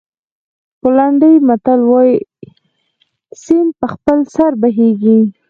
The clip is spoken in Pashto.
پولنډي متل وایي سیند په خپل سر بهېږي.